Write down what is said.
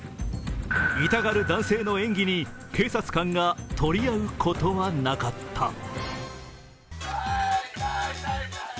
痛がる男性の演技に警察官がとりあうことはなかった。